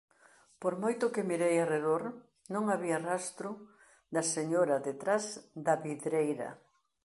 Por moito que mirei arredor non había rastro da señora detrás da vidreira.